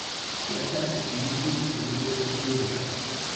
Derzeit ist sie Mitglied der Lübecker Bürgerschaft.